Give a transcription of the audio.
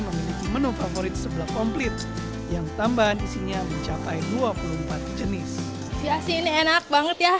memiliki menu favorit sebelah komplit yang tambahan isinya mencapai dua puluh empat jenis ya sih ini enak banget ya